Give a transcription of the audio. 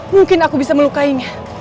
mungkin aku bisa melukainya